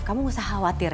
kamu enggak usah khawatir ya